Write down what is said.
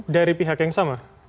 dari pihak yang sama